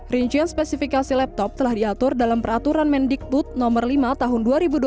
rincian spesifikasi laptop telah diatur dalam peraturan mendikbut nomor lima tahun